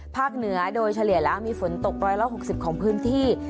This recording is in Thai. ภาคเหนือโดยเฉลี่ยแล้วมีฝนตกร้อยละหกสิบของพื้นที่